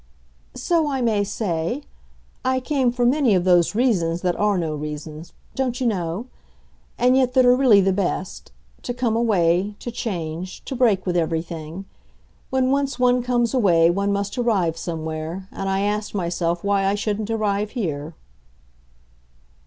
"So I may say. I came for many of those reasons that are no reasons—don't you know?—and yet that are really the best: to come away, to change, to break with everything. When once one comes away one must arrive somewhere, and I asked myself why I shouldn't arrive here."